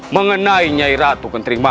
mengenai nyai ratu kentrimani